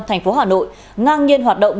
thành phố hà nội ngang nhiên hoạt động